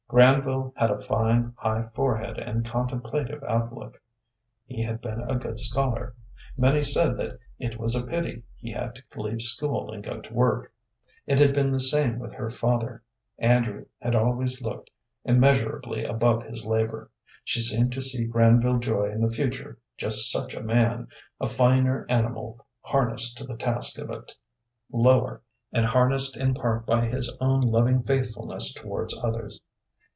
Granville had a fine, high forehead and contemplative outlook. He had been a good scholar. Many said that it was a pity he had to leave school and go to work. It had been the same with her father. Andrew had always looked immeasurably above his labor. She seemed to see Granville Joy in the future just such a man, a finer animal harnessed to the task of a lower, and harnessed in part by his own loving faithfulness towards others.